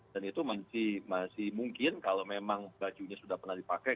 dan itu masih mungkin kalau memang bajunya sudah pernah dipakai